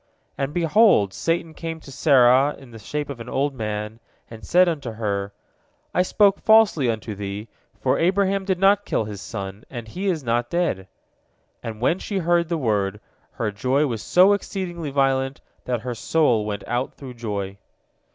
And, behold, Satan came to Sarah in the shape of an old man, and said unto her, "I spoke falsely unto thee, for Abraham did not kill his son, and he is not dead," and when she heard the word, her joy was so exceedingly violent that her soul went out through joy.